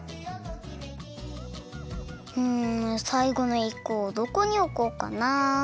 うんさいごのいっこをどこにおこうかなあ？